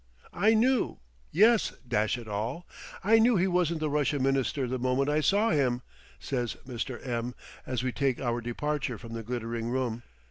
"I knew yes, dash it all! I knew he wasn't the Russian Minister the moment I saw him," says Mr. M as we take our departure from the glittering room.